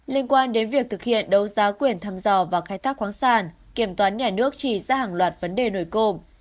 liên quan đến việc thực hiện đấu giá quyền thăm dò và khai thác khoáng sản kiểm toán nhà nước chỉ ra hàng loạt vấn đề nổi cộng